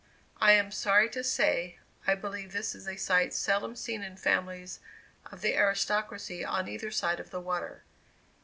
I am sorry to say, I believe this is a sight seldom seen in families of the aristocracy on either side of the water.